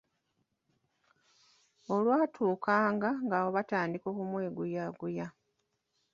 Olwatuukanga awo nga batandika okumweguyaguya.